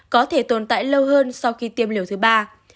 có thể tồn tại lâu hơn sau khi tiêm liều thứ ba